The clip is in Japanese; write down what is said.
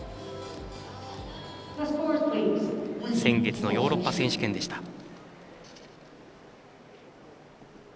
先月のヨーロッパ選手権でした。